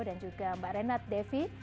dan juga mbak renat devi